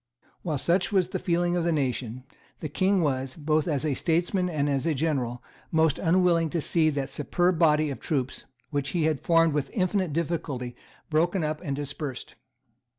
While such was the feeling of the nation, the King was, both as a statesman and as a general, most unwilling to see that superb body of troops which he had formed with infinite difficulty broken up and dispersed.